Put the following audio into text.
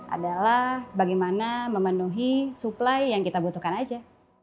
adalah bagaimana memenuhi supply yang kita butuhkan aja